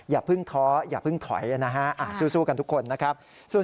อย่าเพิ่งท้ออย่าเพิ่งถอยนะฮะสู้กันทุกคนนะครับ